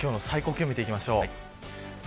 今日の最高気温見ていきましょう。